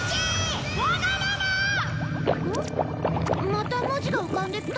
また文字が浮かんできたわ。